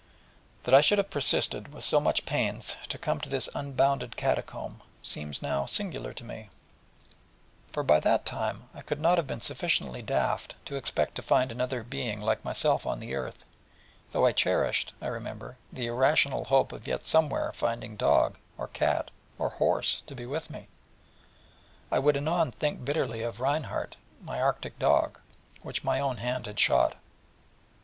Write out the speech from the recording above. That I should have persisted, with so much pains, to come to this unbounded catacomb, seems now singular to me: for by that time I could not have been sufficiently daft to expect to find another being like myself on the earth, though I cherished, I remember, the irrational hope of yet somewhere finding dog, or cat, or horse, to be with me, and would anon think bitterly of Reinhardt, my Arctic dog, which my own hand had shot.